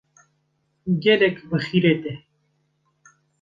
Gelek bixîret e.